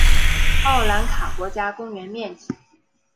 奥兰卡国家公园面积。